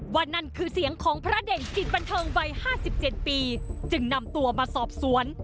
นั่นคือเสียงของพระเด่นจิตบันเทิงวัย๕๗ปีจึงนำตัวมาสอบสวน